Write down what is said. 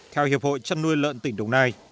theo hiệp hội chăn nuôi lợn tỉnh đồng nai